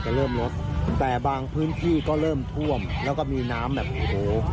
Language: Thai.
เริ่มลดแต่บางพื้นที่ก็เริ่มท่วมแล้วก็มีน้ำแบบโอ้โห